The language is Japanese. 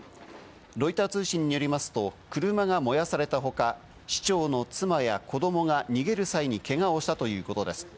ロイター通信によりますと、車が燃やされた他、市長の妻や子どもが逃げる際にけがをしたということです。